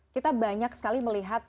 kita banyak sekali melihat